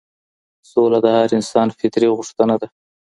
سوله د هر انسان فطري غوښتنه ده.